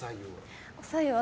お白湯は。